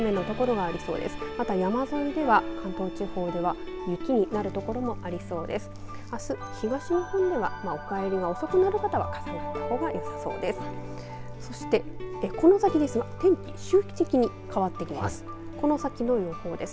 あす東日本ではお帰りが遅くなる方は傘があったほうがよさそうです。